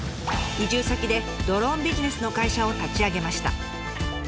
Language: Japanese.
移住先でドローンビジネスの会社を立ち上げました。